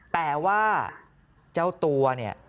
แปลว่าเจ้าตัว